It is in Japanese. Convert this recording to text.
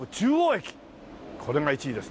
これが１位です。